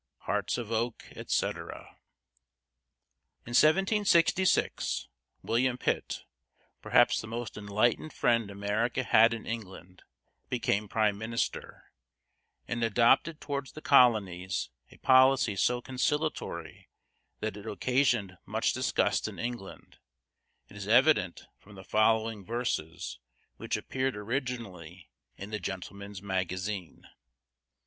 "Hearts of Oak," etc. In 1766 William Pitt, perhaps the most enlightened friend America had in England, became Prime Minister, and adopted toward the colonies a policy so conciliatory that it occasioned much disgust in England as is evident from the following verses which appeared originally in the Gentleman's Magazine.